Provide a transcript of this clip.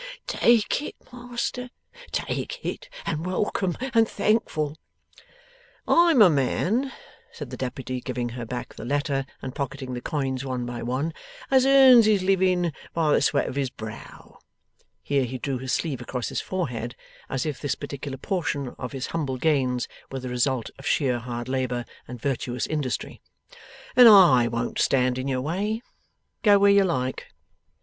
'Take it, Master, take it, and welcome and thankful!' 'I'm a man,' said the Deputy, giving her back the letter, and pocketing the coins, one by one, 'as earns his living by the sweat of his brow;' here he drew his sleeve across his forehead, as if this particular portion of his humble gains were the result of sheer hard labour and virtuous industry; 'and I won't stand in your way. Go where you like.